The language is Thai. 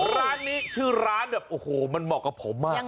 ร้านนี้ชื่อร้านแบบโอ้โหมันเหมาะกับผมมาก